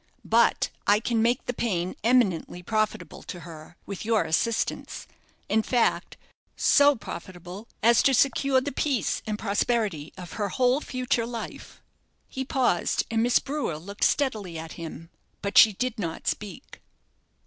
But I can make the pain eminently profitable to her, with your assistance in fact, so profitable as to secure the peace and prosperity of her whole future life." He paused, and Miss Brewer looked steadily at him, but she did not speak.